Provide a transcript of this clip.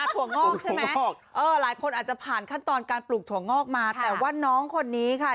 ถั่วงอกใช่ไหมงอกเออหลายคนอาจจะผ่านขั้นตอนการปลูกถั่วงอกมาแต่ว่าน้องคนนี้ค่ะ